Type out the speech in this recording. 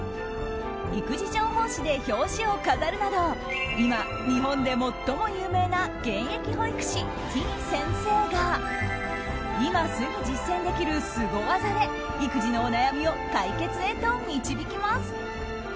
育児情報誌で表紙を飾るなど今、日本で最も有名な現役保育士てぃ先生が今すぐ実践できるスゴ技で育児のお悩みを解決へと導きます。